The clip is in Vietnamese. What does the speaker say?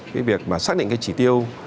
cái việc mà xác định cái chỉ tiêu